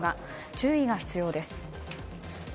注意が必要です。